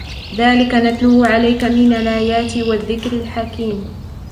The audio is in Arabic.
ذَلِكَ نَتْلُوهُ عَلَيْكَ مِنَ الْآيَاتِ وَالذِّكْرِ الْحَكِيمِ